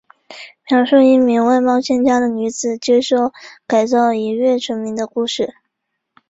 描述一名外貌欠佳的女子接受改造一跃成名的故事。